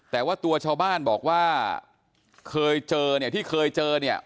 แต่ว่าตัวชาวบ้านบอกว่าเคยเจอเนี่ยที่เคยเจอเนี่ย